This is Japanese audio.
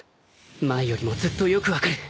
前よりもずっとよく分かる